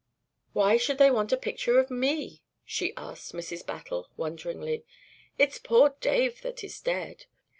"Why should they want a picture of me?" she asked Mrs. Battle, wonderingly. "It's poor Dave that is dead.